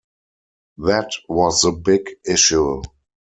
That was the big issue.